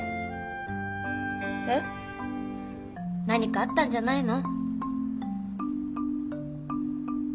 何かあったんじゃないの？